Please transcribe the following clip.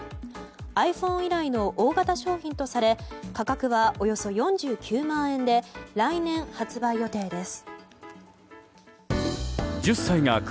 ｉＰｈｏｎｅ以来の大型商品とされ価格はおよそ４９万円で来年発売予定です。